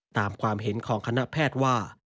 ตามความเห็นของคณะแพทย์ว่า